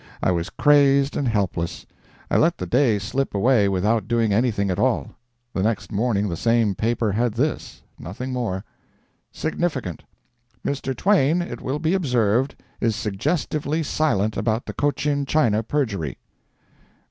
I was crazed and helpless. I let the day slip away without doing anything at all. The next morning the same paper had this—nothing more: SIGNIFICANT.—Mr. Twain, it will be observed, is suggestively silent about the Cochin China perjury.